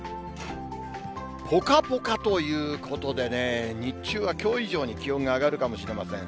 ぽかぽかということでね、日中はきょう以上に気温が上がるかもしれません。